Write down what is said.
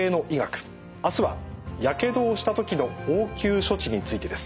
あすはやけどをした時の応急処置についてです。